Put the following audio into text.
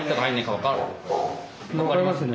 分かりますね。